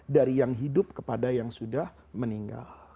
dari yang hidup kepada yang sudah meninggal